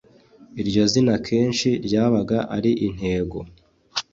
Iryo zina kenshi ryabaga ari intego